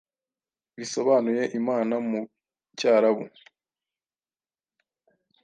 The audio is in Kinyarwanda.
bisobanuye Imana mu cyarabu,